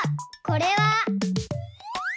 これは。